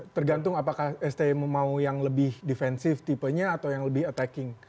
tergantung apakah sti mau yang lebih defensif tipenya atau yang lebih attacking